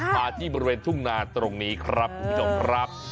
มาที่บริเวณทุ่งนาตรงนี้ครับคุณผู้ชมครับ